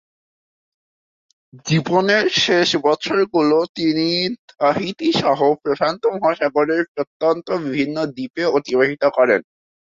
জীবনের শেষ বছরগুলো তিনি তাহিতি সহ প্রশান্ত মহাসাগরের প্রত্যন্ত বিভিন্ন দ্বীপে অতিবাহিত করেন।